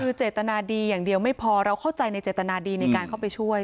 คือเจตนาดีอย่างเดียวไม่พอเราเข้าใจในเจตนาดีในการเข้าไปช่วย